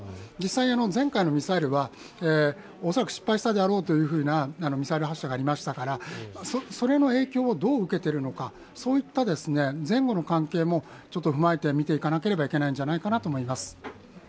実際、前回のミサイルは、恐らく失敗したであろうというミサイル発射がありましたからそれの影響をどう受けてるのか、そういった前後の関係も踏まえて見ていかなければいけないのではないかと思います。